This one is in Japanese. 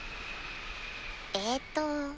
えっと。